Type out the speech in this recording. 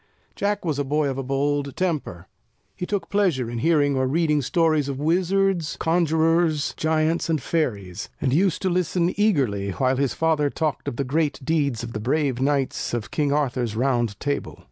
Jack was a boy of a bold temper; he took pleasure in hearing or reading stories of wizards, conjurers, giants, and fairies, and used to listen eagerly while his father talked of the great deeds of the brave knights of King Arthur's Round Table.